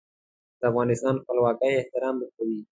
د افغانستان خپلواکۍ احترام به کوي.